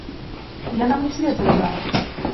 Яна мне свет завязала.